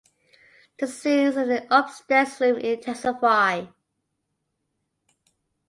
The scenes in the upstairs room intensify.